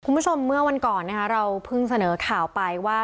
คุณผู้ชมเมื่อวันก่อนเราเพิ่งเสนอข่าวไปว่า